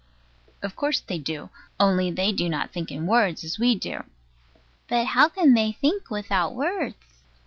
Of course they do, only they do not think in words, as we do. But how can they think without words?